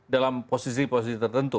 dalam posisi posisi tertentu